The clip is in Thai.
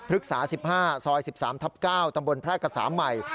ฤกษา๑๕ซอย๑๓ทับ๙ตำบลแพร่กษาใหม่